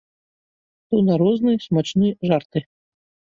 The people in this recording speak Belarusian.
То на розны смачны жарты.